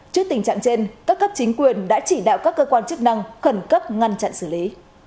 trước tình trạng trên các cấp chính quyền đã chỉ đạo các cơ quan chức năng khẩn cấp ngăn chặn xử lý